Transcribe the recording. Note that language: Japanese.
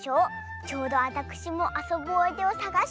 ちょうどあたくしもあそぶおあいてをさがしていましたわ。